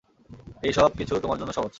এই সব কিছু তোমার জন্য সহজ।